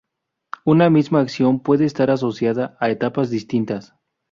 Una misma acción puede estar asociada a etapas distintas.